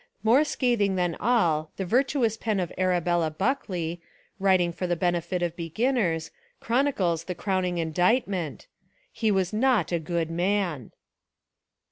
More scathing than all, the virtuous pen of Arabella Buckley, writing for the benefit of beginners, chronicles the crowning indictment, — "he was not a good man."